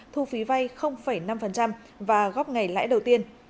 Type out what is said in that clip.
thu phí vay năm và góp ngày lãi đầu tiên